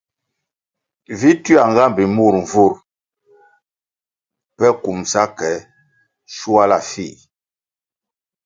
Vi tywia nga mbpi mur nvur pe kumbʼsa ke shuala fih.